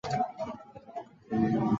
郑王李元懿之后。